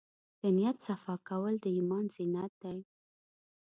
د نیت صفا کول د ایمان زینت دی.